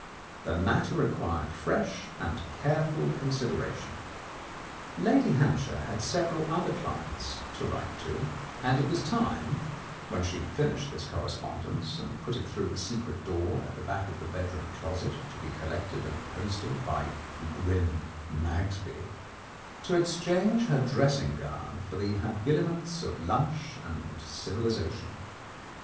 The matter required fresh and careful consideration. Lady Hampshire kad several other clients to write 13 The Countess of Lowndes Square to, and it was time (when she had finished this corre spondence, and put it through the secret door at the back of her bedroom closet to be collected and posted by grim Magsby) to exchange her dressing gown for the habiliments of lunch and civilization.